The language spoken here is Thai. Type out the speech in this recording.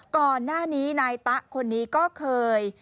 ก่อนหน้านี้นายตะคนนี้ก็เคย